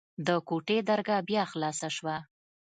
د کوټې درګاه بيا خلاصه سوه.